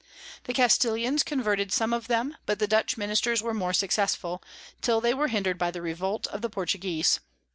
The Castilians converted some of 'em, but the Dutch Ministers were more successful, till they were hinder'd by the Revolt of the Portuguese.